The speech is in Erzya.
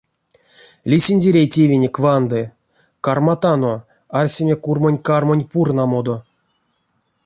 Лисиндеряй тевенек ванды, карматано арсеме курмонь-кармонь пурнамодо.